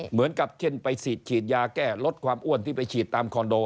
เหมือนกับเช่นไปฉีดยาแก้ลดความอ้วนที่ไปฉีดตามคอนโด